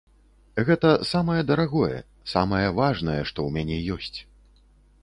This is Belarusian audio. Гэта самае дарагое, самае важнае, што ў мяне ёсць.